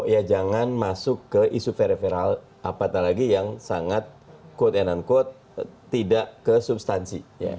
ya jangan masuk ke isu veriferal apatah lagi yang sangat quote and unquote tidak ke substansi